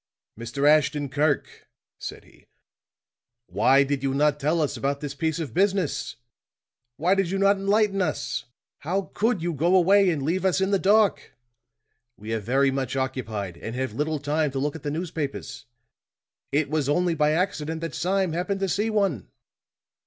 "Mr. Ashton Kirk," said he, "why did you not tell us about this piece of business? Why did you not enlighten us? How could you go away and leave us in the dark? We are very much occupied, and have little time to look at the newspapers. It was only by accident that Sime happened to see one."